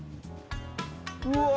うわ！